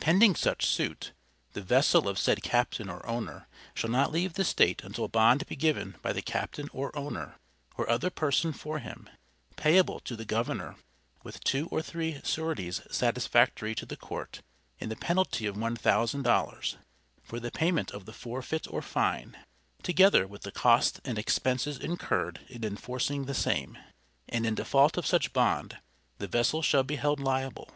Pending said suit, the vessel of said captain or owner shall not leave the State until bond be given by the captain or owner, or other person for him, payable to the Governor, with two or three sureties satisfactory to the court, in the penalty of one thousand dollars, for the payment of the forfeit or fine, together with the cost and expenses incurred in enforcing the same; and in default of such bond, the vessel shall be held liable.